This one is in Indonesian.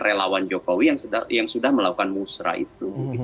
relawan jokowi yang sudah melakukan musrah itu